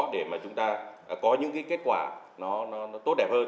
để mà chúng ta có những cái kết quả nó tốt đẹp hơn